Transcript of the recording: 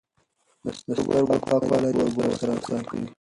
د سترګو پاکوالی د اوبو سره وساتئ.